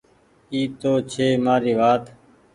تو اي ڇي مآري وآت